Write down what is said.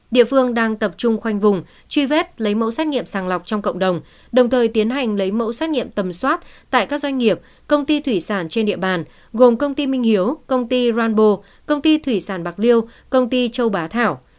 địa phương đang tập trung khoanh vùng truy vết lấy mẫu xét nghiệm sàng lọc trong cộng đồng đồng thời tiến hành lấy mẫu xét nghiệm tầm soát tại các doanh nghiệp công ty thủy sản trên địa bàn gồm công ty minh hiếu công ty ronbo công ty thủy sản bạc liêu công ty châu bá thảo